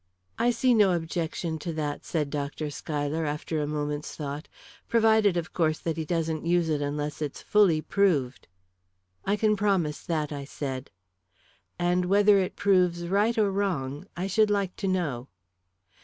"I see no objection to that," said Dr. Schuyler, after a moment's thought; "provided, of course, that he doesn't use it unless it's fully proved." "I can promise that," I said. "And whether it proves right or wrong, I should like to know."